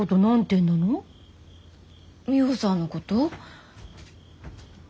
ミホさんのこと？